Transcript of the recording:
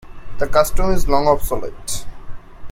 The custom is long obsolete.